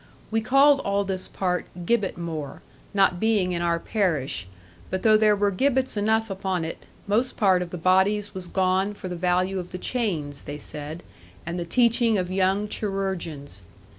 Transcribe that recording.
We called all this part Gibbet moor, not being in our parish; but though there were gibbets enough upon it, most part of the bodies was gone for the value of the chains, they said, and the teaching of young chirurgeons.